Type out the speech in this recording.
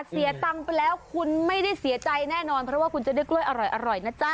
เสียตังค์ไปแล้วคุณไม่ได้เสียใจแน่นอนเพราะว่าคุณจะได้กล้วยอร่อยนะจ๊ะ